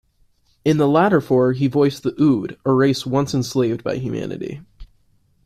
In the latter four he voiced the Ood, a race once enslaved by humanity.